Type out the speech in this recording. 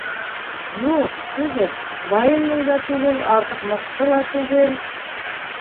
- Юҡ, түгел, военный ҙа түгел, артыҡ мыҡты ла түгел.